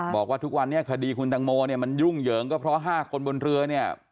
บอกว่าทุกวันนี้คดีคุณตังโมเนี่ยมันยุ่งเหยิงก็เพราะ๕คนบนเรือเนี่ย